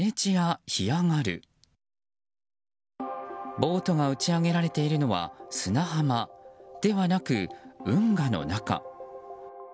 ボートが打ち上げられているのは砂浜ではなく運河の中。